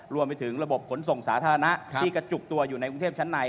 รวมไปถึงระบบขนส่งสาธารณะที่กระจุกตัวอยู่ในกรุงเทพชั้นใน